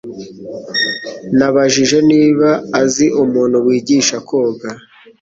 Nabajije niba azi umuntu wigisha koga.